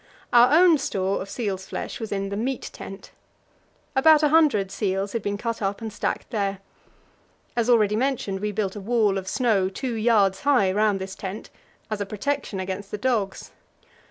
Our own store of seal's flesh was in the "meat tent." About a hundred seals had been cut up and stacked there. As already mentioned, we built a wall of snow, two yards high, round this tent, as a protection against the dogs.